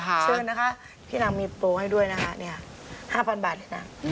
ชื่อนนะคะพี่นางมีโปรให้ด้วยนะคะนี่ค่ะ๕๐๐๐บาทพี่นาง